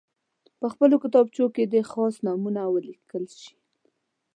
په خپلو کتابچو کې دې خاص نومونه ولیکل شي.